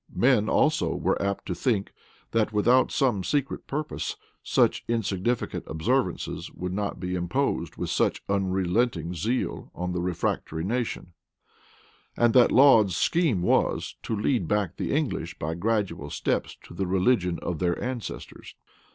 Men also were apt to think, that, without some secret purpose, such insignificant observances would not be imposed with such unrelenting zeal on the refractory nation; and that Laud's scheme was, to lead back the English by gradual steps to the religion of their ancestors.